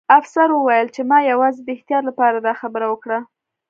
افسر وویل چې ما یوازې د احتیاط لپاره دا خبره وکړه